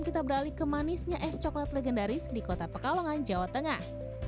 kita beralih ke manisnya es coklat legendaris di kota pekalongan jawa tengah